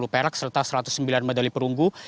delapan puluh perak serta satu ratus sembilan medali perunggu